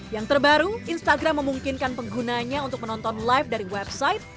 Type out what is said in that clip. yang terbaru instagram memungkinkan penggunanya untuk menonton live dari website